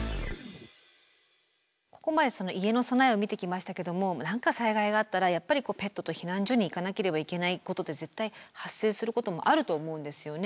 ここまで家の備えを見てきましたけども何か災害があったらやっぱりペットと避難所に行かなければいけないことって絶対発生することもあると思うんですよね。